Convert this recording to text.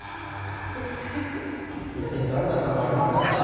１点取られたらそれは負けますからね。